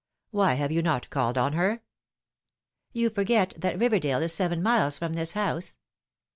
Why have yon not called on her?" " Your forget that Eiverdale is seven miles from this house."